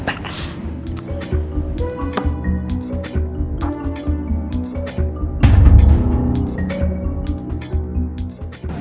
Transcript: gak ada apa apa